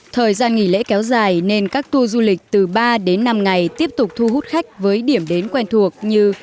thời gian nghỉ lễ kéo dài nên các tour du lịch từ ba đến năm ngày tiếp tục thu hút khách với điểm đến quen thuộc như